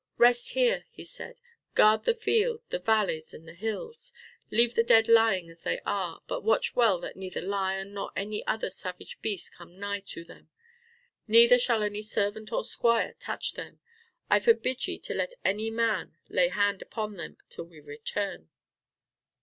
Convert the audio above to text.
"Rest here," he said, "guard the field, the valleys and the hills. Leave the dead lying as they are, but watch well that neither lion nor any other savage beast come nigh to them. Neither shall any servant or squire touch them. I forbid ye to let man lay hand upon them till we return."